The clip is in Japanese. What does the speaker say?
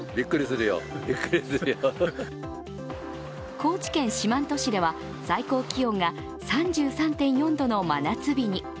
高知県四万十市では最高気温が３３．４度の夏日に。